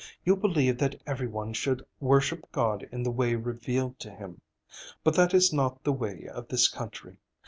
You believe that every one should worship God in the way revealed to him. But that is not the way of this country.